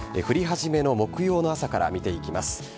降り始めの木曜の朝から見ていきます。